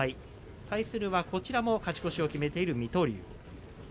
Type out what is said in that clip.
対するは勝ち越しを決めている水戸龍です。